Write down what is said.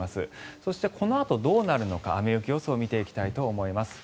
そして、このあとどうなるのか雨・雪予想を見ていきたいと思います。